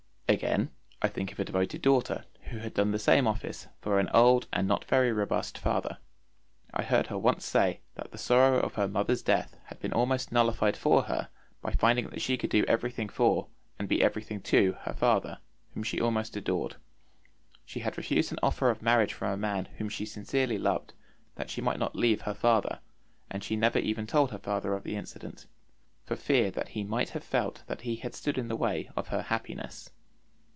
Again, I think of a devoted daughter who had done the same office for an old and not very robust father. I heard her once say that the sorrow of her mother's death had been almost nullified for her by finding that she could do everything for and be everything to her father, whom she almost adored. She had refused an offer of marriage from a man whom she sincerely loved, that she might not leave her father, and she never even told her father of the incident, for fear that he might have felt that he had stood in the way of her happiness.